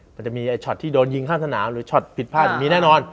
มันจะมีไอ้ช็อตที่โดนยิงข้ามสนามหรือช็อตผิดพลาดมีแน่นอน